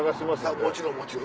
もちろんもちろん。